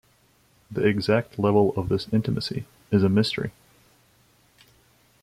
The exact level of this intimacy is a mystery.